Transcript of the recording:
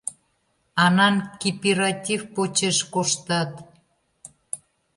Анан кипиратив почеш коштат!